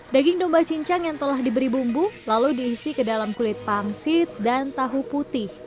daging domba cincang yang telah diberi bumbu lalu diisi ke dalam kulit pangsit dan tahu putih